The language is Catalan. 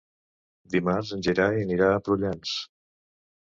Dimarts en Gerai anirà a Prullans.